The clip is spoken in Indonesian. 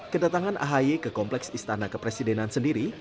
kedatangan ahy ke kompleks istana kepresidenan sendiri